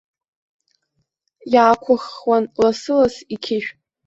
Иаақәыххуан лассы-ласс иқьышә.